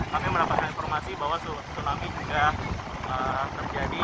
kami mendapatkan informasi bahwa tsunami juga terjadi